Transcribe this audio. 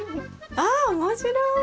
あっ面白い！